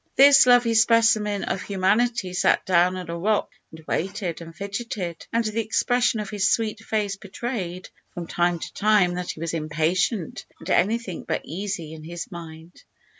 This lovely specimen of humanity sat down on a rock, and waited, and fidgeted; and the expression of his sweet face betrayed, from time to time, that he was impatient, and anything but easy in his mind.